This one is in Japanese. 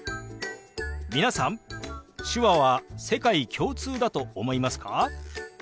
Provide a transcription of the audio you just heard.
皆さん手話は世界共通だと思いますか？